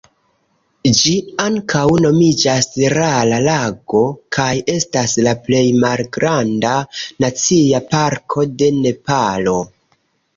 Ĝi ankaŭ nomiĝas Rara Lago, kaj estas la plej malgranda nacia parko de Nepalo.